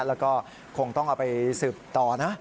แล้วก็คงต้องเอาไปสืบต่อนะ